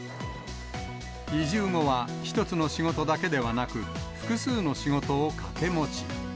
移住後は、１つの仕事だけではなく、複数の仕事を掛け持ち。